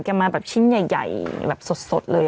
แกคิดมาชิมใหญ่สด